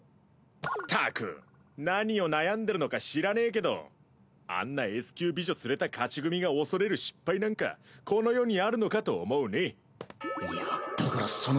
ったく何を悩んでるのか知らねぇけどあんなＳ級美女連れた勝ち組が恐れる失敗なんかこの世にあるのかと思うね。